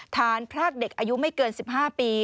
พรากเด็กอายุไม่เกิน๑๕ปี